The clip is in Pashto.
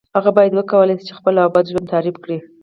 هغه باید وکولای شي خپله ښه او بد ژوند تعریف کړی.